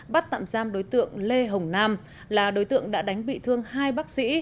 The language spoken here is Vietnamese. bắt tạm giam đối tượng lê hồng nam là đối tượng đã đánh bị thương hai bác sĩ